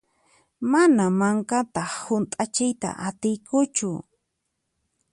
Mana mankata hunt'achiyta atiykuchu.